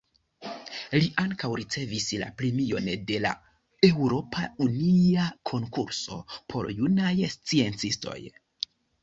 Li ankaŭ ricevis la premion de la Eŭropa Unia Konkurso por Junaj Sciencistoj.